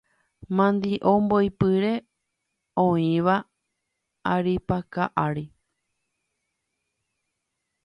Mandi'o mbo'ipyre oĩva aripaka ári.